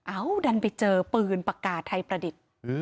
ดันไปเจอปืนปากกาศไทยประดิษฐ์